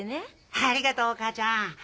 ありがとう母ちゃん。